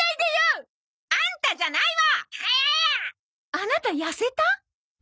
アナタ痩せた？